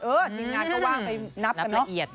เออนิ่งงานก็ว่างไปนับกันเนอะ